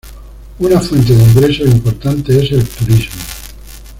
Una fuente de ingresos importantes es el turismo.